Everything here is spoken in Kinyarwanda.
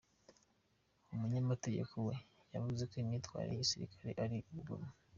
Umunyamategeko we yavuze ko imyitwarire y’igisirikare ari ubugome.